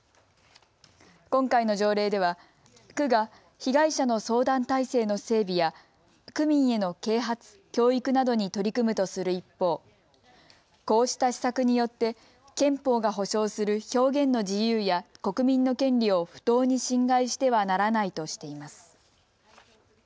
今回の条例では区が被害者の相談体制の整備や区民への啓発・教育などに取り組むとする一方、こうした施策によって憲法が保障する表現の自由や国民の権利を不当に侵害してはならないとしています。